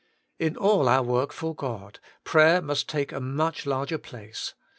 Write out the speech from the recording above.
2. In all our work for God, prayer must take a much larger place.